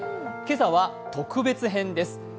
今朝は特別編です。